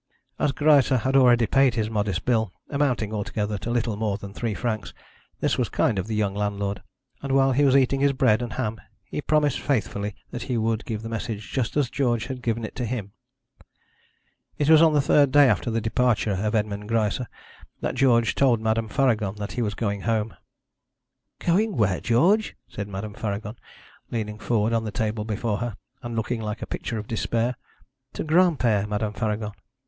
As Greisse had already paid his modest bill, amounting altogether to little more than three francs, this was kind of the young landlord, and while he was eating his bread and ham he promised faithfully that he would give the message just as George had given it to him. It was on the third day after the departure of Edmond Greisse that George told Madame Faragon that he was going home. 'Going where, George?' said Madame Faragon, leaning forward on the table before her, and looking like a picture of despair. 'To Granpere, Madame Faragon.'